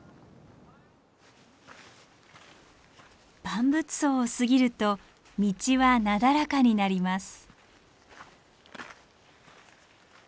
万物相を過ぎると道はなだらかになります。